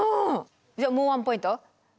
じゃあもう１ポイント？